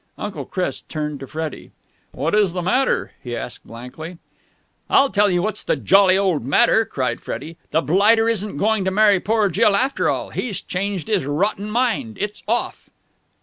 Uncle Chris turned to Freddie. "What is the matter?" he asked blankly. "I'll tell you what's the jolly old matter!" cried Freddie. "The blighter isn't going to marry poor Jill after all! He's changed his rotten mind! It's off!"